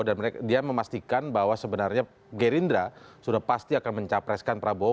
dan dia memastikan bahwa sebenarnya gerindra sudah pasti akan mencapreskan prabowo